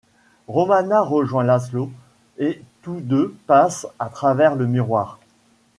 Romana rejoint Lazlo et tous deux passent à travers le miroir.